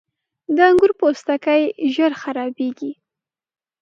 • د انګور پوستکی ژر خرابېږي.